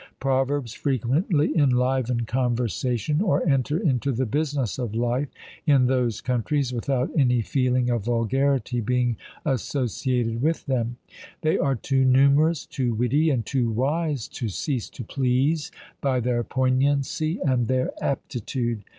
Proverbs frequently enliven conversation, or enter into the business of life in those countries, without any feeling of vulgarity being associated with them: they are too numerous, too witty, and too wise to cease to please by their poignancy and their aptitude.